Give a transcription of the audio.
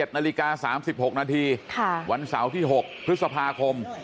๑นาฬิกา๓๖นาทีวันเสาร์ที่๖พฤษภาคม